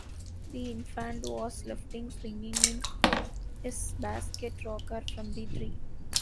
The infant was left swinging in his basket rocker from the tree!